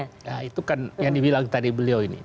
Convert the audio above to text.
nah itu kan yang dibilang tadi beliau ini